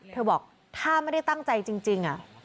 เธอบอกถ้าไม่ได้ตั้งใจจริง